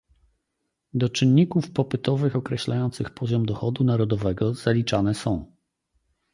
Do czynników popytowych określających poziom dochodu narodowego zaliczane są: